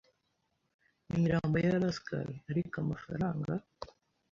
imirambo ya rascal ariko amafaranga? ”